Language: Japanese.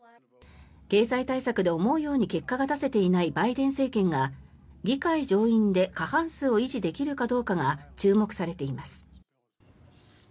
経済対策で思うように結果が出せていないバイデン政権が議会上院で過半数を維持できるかどうかが注目されています。